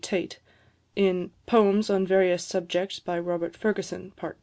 Tait, in "Poems on Various Subjects by Robert Fergusson, Part II.